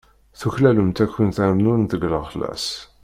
Tuklalemt ad kunt-rnun deg lexlaṣ.